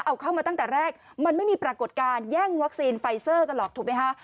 เอาเข้ามาตั้งแต่แรกมันไม่มีปรากฏการณ์แย่งวัคซีนไฟเซอร์กันหรอกถูกไหมคะ